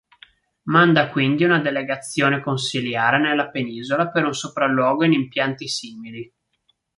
Manda quindi una delegazione consiliare nella penisola per un sopralluogo in impianti simili.